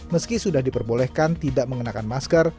meski sudah diperbolehkan tidak mengenakan masker